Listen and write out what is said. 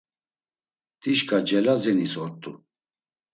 Dişǩa Celazenis ort̆u.